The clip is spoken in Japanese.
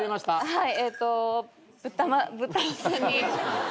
はい。